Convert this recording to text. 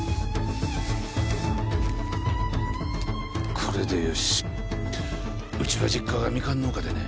これでよしうちの実家がみかん農家でね